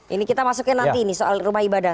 ini kita masuknya nanti nih soal rumah ibadah